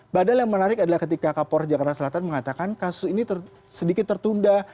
padahal yang menarik adalah ketika kapolri jakarta selatan mengatakan kasus ini sedikit tertunda